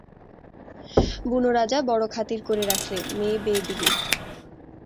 বুনো রাজা বড় খাতির করে রাখলে, মেয়ে বে দিলে।